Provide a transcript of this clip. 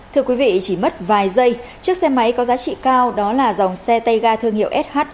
thưa quý vị chỉ mất vài giây chiếc xe máy có giá trị cao đó là dòng xe tay ga thương hiệu sh